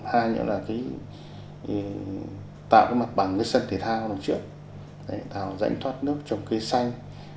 hai nữa là tạo mặt bằng sân thể thao đầu trước dãnh thoát nước trong cây xanh